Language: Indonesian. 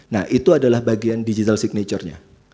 nah itu adalah bagian digital signature nya